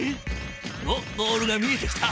おっゴールが見えてきた。